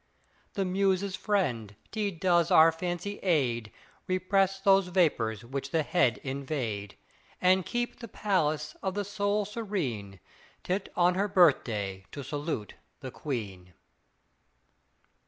The Muse's friend, tea does our fancy aid, Repress those vapors which the head invade, And keep the palace of the soul serene, Tit on her birthday to salute the Queen.